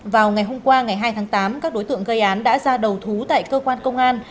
vào ngày hôm qua ngày hai tháng tám các đối tượng gây án đã ra đầu thú tại cơ quan công an